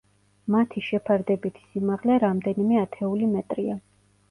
მათი შეფარდებითი სიმაღლე რამდენიმე ათეული მეტრია.